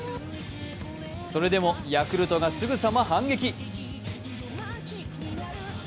それでもヤクルトがすぐさま反撃。